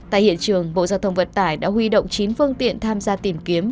tại hiện trường bộ giao thông vận tải đã huy động chín phương tiện tham gia tìm kiếm